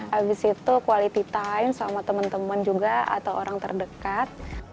habis itu quality time sama teman teman juga atau orang terdekat